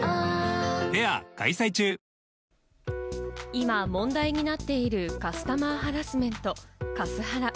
今、問題になっているカスタマーハラスメント、カスハラ。